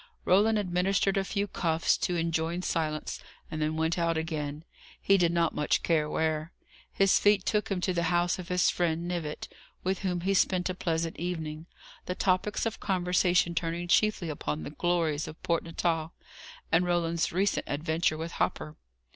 Roland administered a few cuffs, to enjoin silence, and then went out again, he did not much care where. His feet took him to the house of his friend, Knivett, with whom he spent a pleasant evening, the topics of conversation turning chiefly upon the glories of Port Natal, and Roland's recent adventure with Hopper.